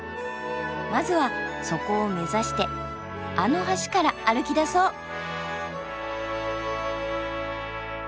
まずはそこを目指してあの橋から歩きだそう。